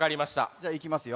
じゃあいきますよ。